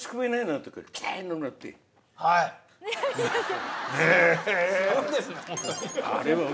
あっすいません。